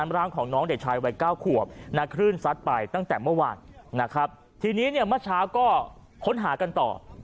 ร่างของน้องเด็กชายวัย๙ขวบนะคลื่นซัดไปตั้งแต่เมื่อวานนะครับทีนี้เนี่ยเมื่อเช้าก็ค้นหากันต่อ